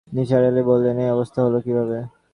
নিসার আলি বললেন, এই অবস্থা হল কীভাবে?